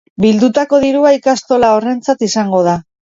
Bildutako dirua ikastola horrentzat izango da.